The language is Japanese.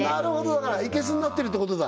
だから生けすになってるってことだ